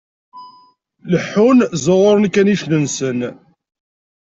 Leḥḥun, ẓẓuɣuṛen ikanicen-nsen.